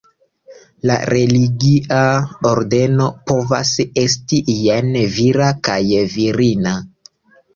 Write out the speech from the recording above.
La religia ordeno povas esti jen vira kaj virina.